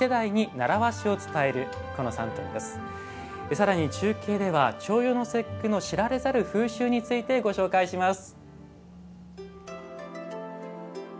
さらに、中継では重陽の節句の知られざる風習についてご紹介します。